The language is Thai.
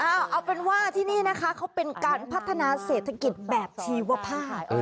เอาเป็นว่าที่นี่นะคะเขาเป็นการพัฒนาเศรษฐกิจแบบชีวภาพ